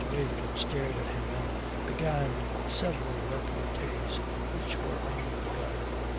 Waverton stared at him and began several repartees which were only begun.